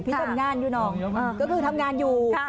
ทำงานอยู่น้องก็คือทำงานอยู่